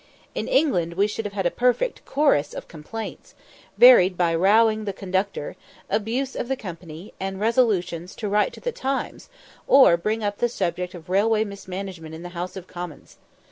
In England we should have had a perfect chorus of complaints, varied by "rowing" the conductor, abuse of the company, and resolutions to write to the Times, or bring up the subject of railway mismanagement in the House of Commons.